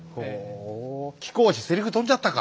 貴公子セリフ飛んじゃったか。